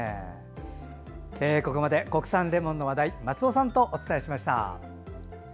ここまで国産レモンの話題松尾さんとお伝えしました。